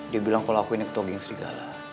dia bilang kalo aku ini ketua geng serigala